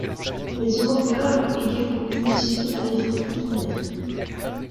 Les Européens l'ont également cultivé à des fins culinaires.